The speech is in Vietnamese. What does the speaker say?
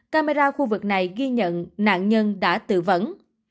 camera khu vực này ghi nhận nạn nhân đã tự vấn